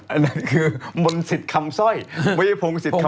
อันนั้นคือมนตร์สิทธิ์คำสร้อยมนตร์สิทธิ์คำสร้อย